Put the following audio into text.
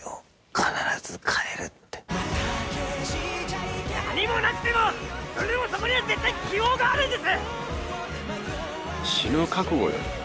必ず帰るって何もなくてもそれでもそこには絶対希望があるんです！